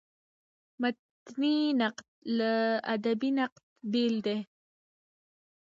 متني نقد له ادبي نقده بېل دﺉ.